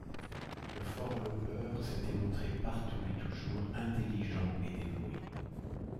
Le foreloper s’était montré, partout et toujours, intelligent et dévoué.